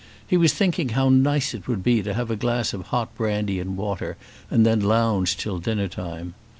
He was thinking how nice it would be to have a glass of hot brandy and water and then lounge till dinner time.